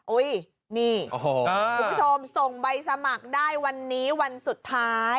อุ้ยนี่คุณผู้ชมส่งใบสมัครได้วันนี้วันสุดท้าย